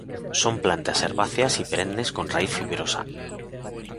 Son plantas herbáceas y perennes con raíz fibrosa.